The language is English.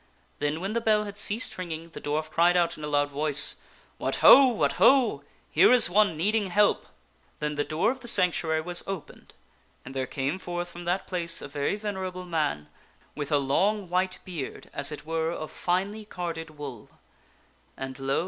Then when the bell had ceased ringing, the dwarf cried out in a loud voice, " What ho ! what ho ! here is one needing help !" Then the door of the sanctuary was opened and there came forth from that place a very venerable man with a long white beard as it were of Parcenet and the nne ly carded wool. And, lo